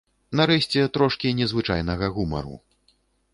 Нарэшце, трошкі незвычайнага гумару.